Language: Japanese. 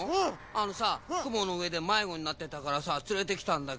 あのさくものうえでまいごになってたからさつれてきたんだけど。